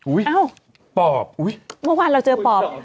อืมอปอบอุ๊ยอ้าวปอบ